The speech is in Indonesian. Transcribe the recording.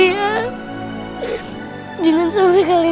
aku akan jalan dulu sendiri